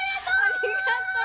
ありがとう。